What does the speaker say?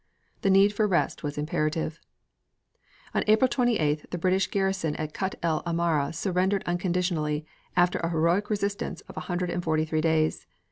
The need for rest was imperative." On April 28th the British garrison at Kut el Amara surrendered unconditionally, after a heroic resistance of a hundred and forty three days.